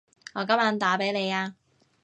我今晚打畀你吖